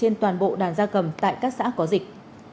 trên toàn bộ đàn gia cầm tại các xã có dịch